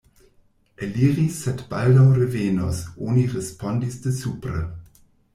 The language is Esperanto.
Eliris, sed baldaŭ revenos, oni respondis de supre.